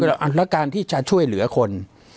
แล้วการที่จะช่วยเหลือคน